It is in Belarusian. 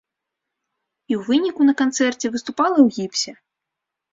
І ў выніку на канцэрце выступала ў гіпсе.